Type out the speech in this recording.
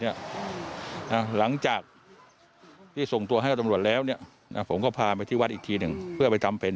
ทีนี้ค่ะคุณวิวัลวันธรรมพรรคดีทีมข่าวของเราไปคุยกับผู้ใหญ่บ้านหมู่๕